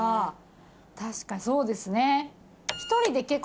確かにそうですね。